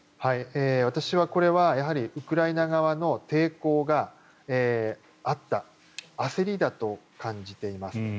私はこれはウクライナ側の抵抗があった焦りだと感じています。